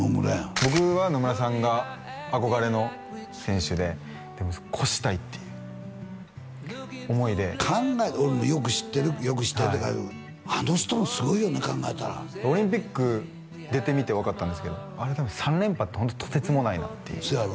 僕は野村さんが憧れの選手で超したいっていう思いで俺もよく知ってるあの人もすごいよな考えたらオリンピック出てみて分かったんですけど３連覇ってホントとてつもないなってそやろ？